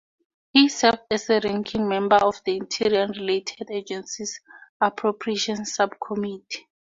He served as the ranking member of the Interior and Related Agencies Appropriations Subcommittee.